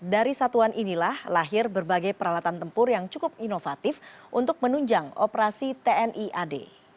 dari satuan inilah lahir berbagai peralatan tempur yang cukup inovatif untuk menunjang operasi tni ad